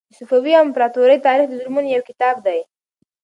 د صفوي امپراطورۍ تاریخ د ظلمونو یو کتاب دی.